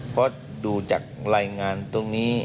เพราะดูจากรายงานตรงนี้